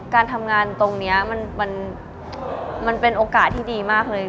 การทำงานตรงนี้มันเป็นโอกาสที่ดีมากเลย